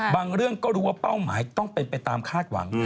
เรื่องก็รู้ว่าเป้าหมายต้องเป็นไปตามคาดหวัง